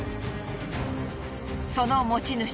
その持ち主